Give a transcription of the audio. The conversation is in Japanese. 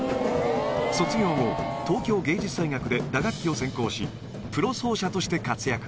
卒業後、東京藝術大学で打楽器を専攻し、プロ奏者として活躍。